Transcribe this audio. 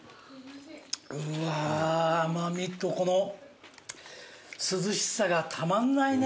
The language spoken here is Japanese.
うわ甘味とこの涼しさがたまんないね。